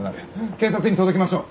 警察に届けましょう。